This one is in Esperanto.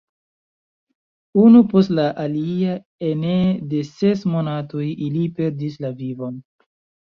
Unu post la alia, ene de ses monatoj, ili perdis la vivon.